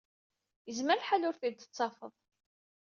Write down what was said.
Yezmer lḥal ur t-id-tettafeḍ.